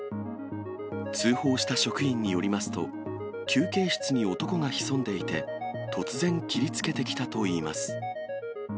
通報した職員によりますと、休憩室に男が潜んでいて、突然、切りつけてきたといいます。